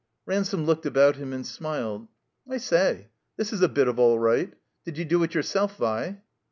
Ransome looked about him and smiled. "I s^, this is a bit of all right. Did you do it yourself, Vi?"